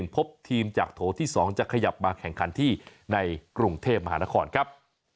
พบทีมจากโถที่๒จะขยับมาแข่งขันที่ในกรุงเทพมหานครครับ